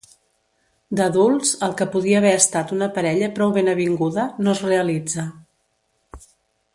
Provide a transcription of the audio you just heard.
D'adults el que podia haver estat una parella prou ben avinguda, no es realitza.